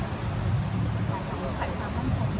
แต่ว่าความความสับสนอย่างแห่งตัวนี้คือว่ามันตั้งไม่ได้